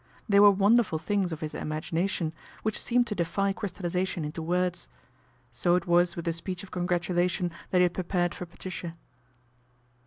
They were wonder ful things of his imagination, which seemed to defy crystallization into words. So it was with the speech of congratulation that he had pre pared for Patricia.